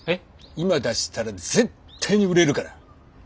今出したら絶対に売れるから。ね？